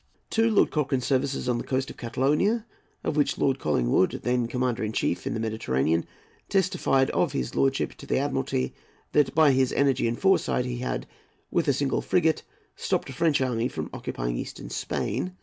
2. Lord Cochrane's services on the coast of Catalonia, of which Lord Collingwood, then commander in chief in the Mediterranean, testified of his lordship to the Admiralty that by his energy and foresight he had, with a single frigate, stopped a French army from occupying Eastern Spain.